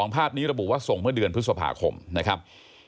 ภาพนี้ระบุว่าส่งเมื่อเดือนพฤษภาคมนะครับ